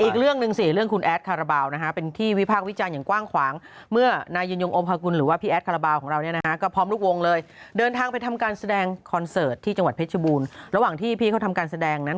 คอนเสิร์ตที่จังหวัดเพชรบูรณ์ระหว่างที่พี่เขาทำการแสดงนั้น